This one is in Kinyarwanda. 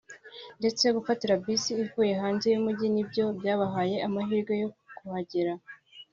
ndetse gufatira bisi ivuye hanze y’umujyi ni byo byabahaye amahirwe yo kuhagera